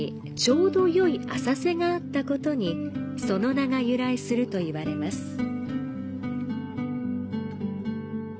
その名が由来するといわれます。